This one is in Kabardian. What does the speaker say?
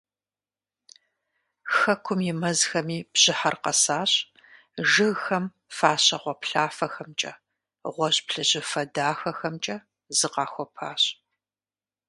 Хэкум и мэзхэми бжьыхьэр къэсащ, жыгхэм фащэ гъуаплъафэхэмкӏэ, гъуэжь-плъыжьыфэ дахэхэмкӀэ зыкъахуэпащ.